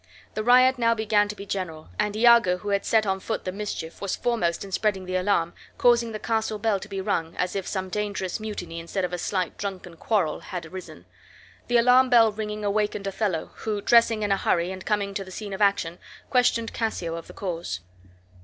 The riot now began to be general, and Iago, who had set on foot the mischief, was foremost in spreading the alarm, causing the castle bell to be rung (as if some dangerous mutiny instead of a slight drunken quarrel had arisen). The alarm bell ringing awakened Othello, who, dressing in a hurry and coming to the scene of action, questioned Cassio of the cause.